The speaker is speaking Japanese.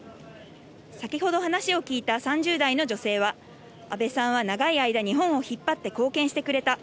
先ほど話を聞いた３０代の女性は、安倍さんは長い間、日本を引っ張って貢献してくれた。